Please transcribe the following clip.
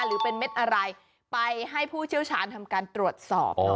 หรือเป็นเม็ดอะไรไปให้ผู้เชี่ยวชาญทำการตรวจสอบ